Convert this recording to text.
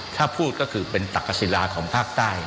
ถ้าพูดก็คือเป็นตักกษศิลาของภาคใต้